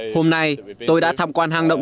hôm nay tôi đã tham quan hang động